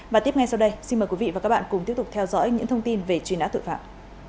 và tiếp ngay sau đây xin mời quý vị và các bạn cùng tiếp tục theo dõi những thông tin về truy nã tội phạm